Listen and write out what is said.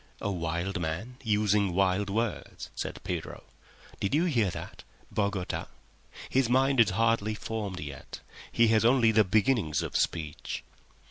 "A wild man—using wild words," said Pedro. "Did you hear that— "Bogota? His mind has hardly formed yet. He has only the beginnings of speech."